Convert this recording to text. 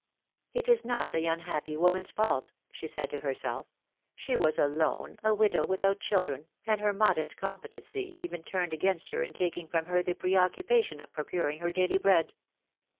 259 It is not the unhappy woman's fault/' she said to her self; ^^she was alone, a widow, without children, and her modest competency even turned against her in taking from her the preoccupation of procuring her daily bread.